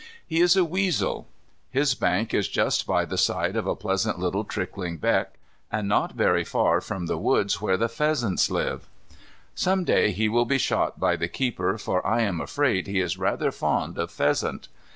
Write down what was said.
He is a weasel. His bank is just by the side of a pleasant little trickling beck, and not very far from the wood where the pheasants live. Some day he will be shot by the keeper for I am afraid he is rather fond of pheasant.